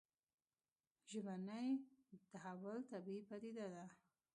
ژبني تحول طبیعي پديده ده